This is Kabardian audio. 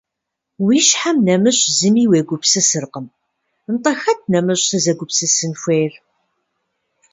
-Уи щхьэм нэмыщӏ зыми уегупсысыркъым. – Нтӏэ хэт нэмыщӏ сызэгупсысын хуейр?